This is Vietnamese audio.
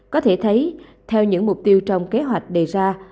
có thể thấy theo những mục tiêu trong kế hoạch đề ra